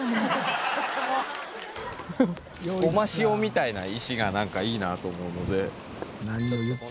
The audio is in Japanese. ゴマ塩みたいな石がいいなと思うので。